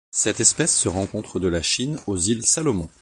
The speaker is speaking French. Cette espèce se rencontre de la Chine aux îles Salomon.